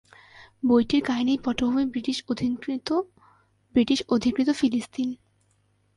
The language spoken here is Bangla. বইটির কাহিনীর পটভূমি ব্রিটিশ অধিকৃত ফিলিস্তিন।